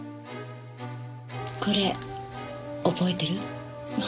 これ覚えてる？